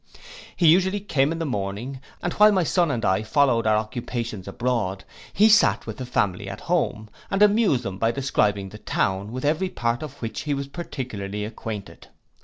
He usually came in the morning, and while my son and I followed our occupations abroad, he sat with the family at home, and amused them by describing the town, with every part of which he was particularly acquainted.